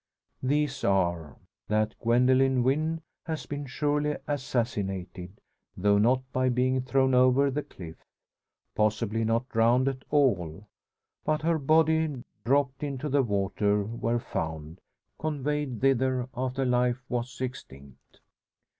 These are: that Gwendoline Wynn has been surely assassinated: though not by being thrown over the cliff. Possibly not drowned at all, but her body dropped into the water where found conveyed thither after life was extinct!